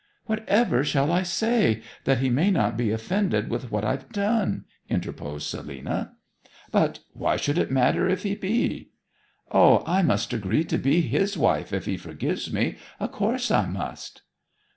'Whatever shall I say, that he may not be offended with what I've done?' interposed Selina. 'But why should it matter if he be?' 'O! I must agree to be his wife if he forgives me of course I must.'